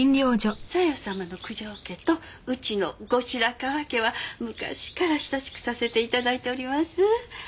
さよ様の九条家とうちの後白河家は昔から親しくさせて頂いております。